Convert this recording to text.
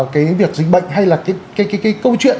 cái việc dịch bệnh hay là cái câu chuyện